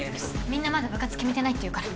みんなまだ部活決めてないっていうから。